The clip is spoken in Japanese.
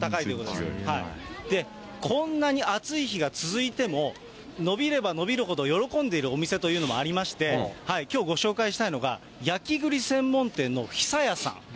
で、こんなに暑い日が続いても、延びれば延びるほど喜んでるお店というのもありまして、きょうご紹介したいのが、焼きぐり専門店のひさやさん。